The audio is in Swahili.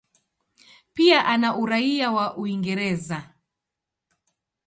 Pia ana uraia wa Uingereza.